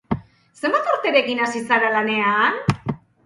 Zenbat urterekin hasi zara lanean?